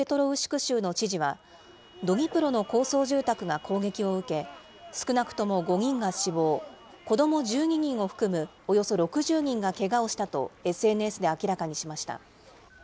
州の知事は、ドニプロの高層住宅が攻撃を受け、少なくとも５人が死亡、子ども１２人を含む、およそ６０人がけがをしたとＳＮＳで明らかにしました。